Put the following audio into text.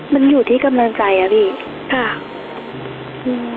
มันอยู่ที่กำลังใจอ่ะพี่ค่ะอืม